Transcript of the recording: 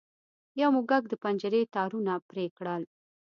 یو موږک د پنجرې تارونه پرې کړل.